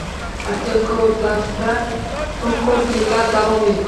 Aka-uka o`rtasida bu ish ko`p yillar davom etdi